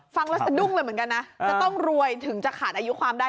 ฟังแล้วสะดุ้งเลยเหมือนกันนะจะต้องรวยถึงจะขาดอายุความได้